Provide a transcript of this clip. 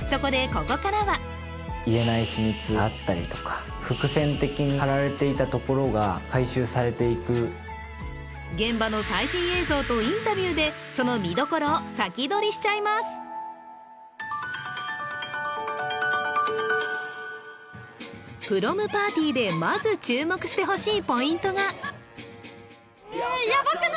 そこでここからは言えない秘密があったりとか伏線的に張られていたところが回収されていく現場の最新映像とインタビューでその見どころを先取りしちゃいますプロムパーティーでまず注目してほしいポイントが・えーヤバくない？